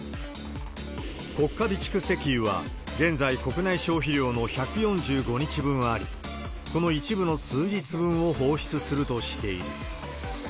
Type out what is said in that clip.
国家備蓄石油は現在、国内消費量の１４５日分あり、この一部の数日分を放出するとしている。